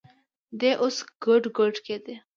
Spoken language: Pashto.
دى اوس ګوډ ګوډ کېده.